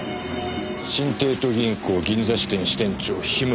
新帝都銀行銀座支店支店長樋村学。